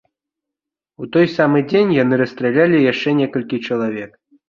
У той самы дзень яны расстралялі яшчэ некалькі чалавек.